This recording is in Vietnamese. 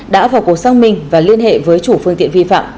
đã vào cuộc xác minh và liên hệ với chủ phương tiện vi phạm để xử lý